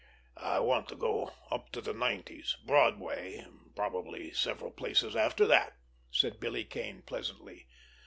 "I want to go up to the Nineties—Broadway—probably several places after that," said Billy Kane pleasantly.